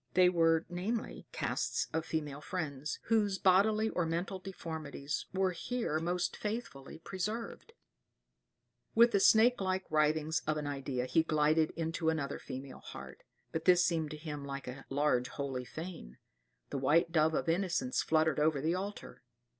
They were, namely, casts of female friends, whose bodily or mental deformities were here most faithfully preserved. With the snake like writhings of an idea he glided into another female heart; but this seemed to him like a large holy fane. [*] The white dove of innocence fluttered over the altar.